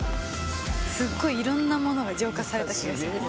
すっごい、いろんなものが浄化された気がします。